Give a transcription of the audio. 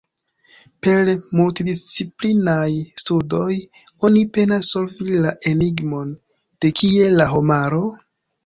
Per multdisciplinaj studoj oni penas solvi la enigmon: de kie la homaro?